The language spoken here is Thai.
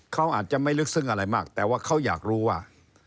เขาอาจจะไม่ลึกซึ้งอะไรมากแต่ว่าเขาอยากรู้ว่า